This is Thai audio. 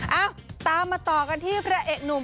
เอ้าตามมาต่อกันที่พระเอกหนุ่ม